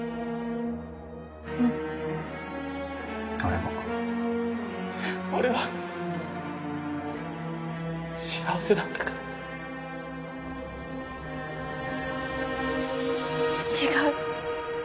うん俺も俺は幸せだったから違う。